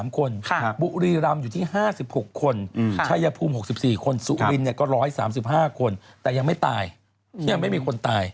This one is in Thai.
๓คนบุรีรำอยู่ที่๕๖คนชายภูมิ๖๔คนสุรินก็๑๓๕คนแต่ยังไม่ตายยังไม่มีคนตาย